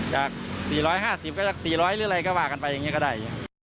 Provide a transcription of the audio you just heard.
จากสี่ร้อยห้าสิบก็จากสี่ร้อยหรืออะไรก็ว่ากันไปอย่างนี้ก็ได้